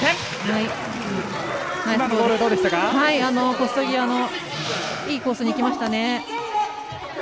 ポスト際のいいコースにいきましたね。